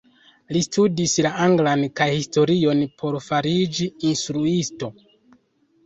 Li studis la anglan kaj historion por fariĝi instruisto.